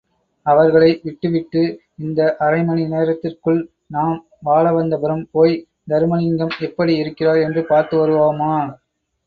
அவர்களை விட்டுவிட்டு இந்த அரைமணி நேரத்திற்குள் நாம் வாழவந்தபுரம் போய், தருமலிங்கம் எப்படி இருக்கிறார் என்று பார்த்து வருவோமா!